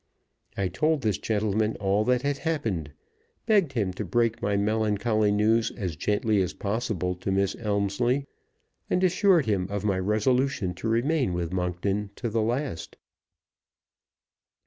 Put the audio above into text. I told this gentleman all that had happened, begged him to break my melancholy news as gently as possible to Miss Elmslie, and assured him of my resolution to remain with Monkton to the last.